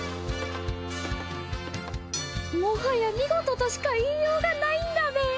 もはや見事としか言いようがないんだべ。